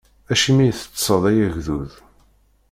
Acimi i teṭṭṣeḍ ay agdud?